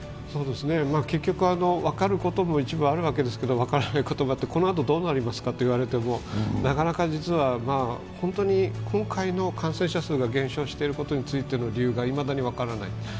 結局、分かることも一部あるわけですけれども、分からないこともあって、このあとどうなりますかと言われてもなかなか実は、本当に今回の感染者数が減少していることについての理由がいまだに分からない。